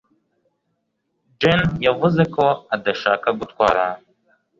jeanne yavuze ko adashaka gutwara